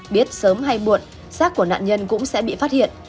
biết sớm hay buộn sát của nạn nhân cũng sẽ bị phát hiện